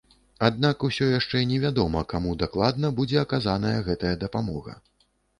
Аднак усё яшчэ невядома, каму дакладна будзе аказаная гэтая дапамога.